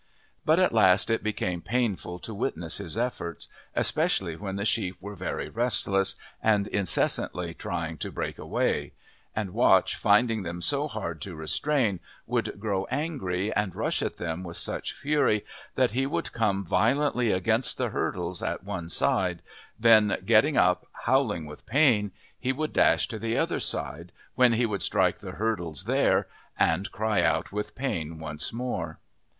But at last it became painful to witness his efforts, especially when the sheep were very restless, and incessantly trying to break away; and Watch finding them so hard to restrain would grow angry and rush at them with such fury that he would come violently against the hurdles at one side, then getting up, howling with pain, he would dash to the other side, when he would strike the hurdles there and cry out with pain once more.